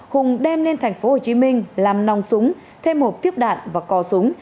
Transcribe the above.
hùng đem lên thành phố hồ chí minh làm nòng súng thêm một tiếp đạn và co súng